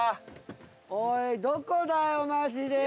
おいどこだよマジでよ！